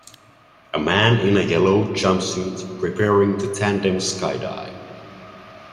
A man in a yellow jumpsuit preparing to tandem skydive